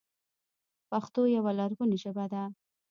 پښتو یوه لرغوني ژبه ده.